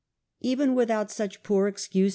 Even without such poor excuse A.